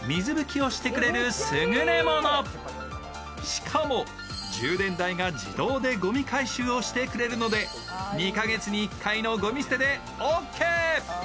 しかも充電台が自動でごみ回収をしてくれるので２か月に１回のごみ捨てでオーケー。